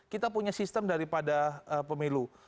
kita punya sistem daripada pemilu